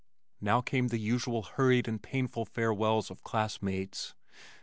Now came the usual hurried and painful farewells of classmates.